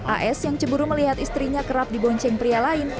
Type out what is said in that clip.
as yang ceburu melihat istrinya kerap dibonceng pria lain